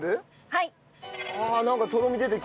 はい。